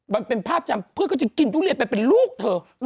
มันเป็นภาพจำเพื่อนก็จะกินทุเรียนไปเป็นลูกเธอ